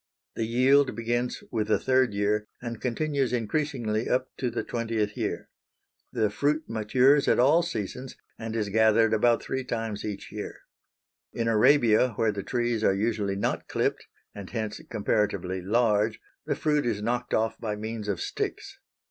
The yield begins with the third year and continues increasingly up to the twentieth year. The fruit matures at all seasons, and is gathered about three times each year. In Arabia, where the trees are usually not clipped, and hence comparatively large, the fruit is knocked off by means of sticks.